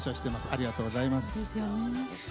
ありがとうございます。